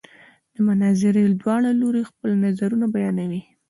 د مناظرې دواړه لوري خپل نظرونه بیانوي.